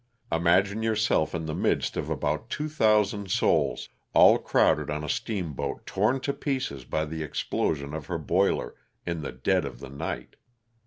Imagine yourself in the midst of about two thousand souls, all crowded on a steamboat torn to pieces by the explosion of her boiler, in the dead of the night.